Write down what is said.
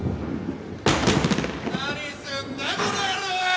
何すんだこの野郎！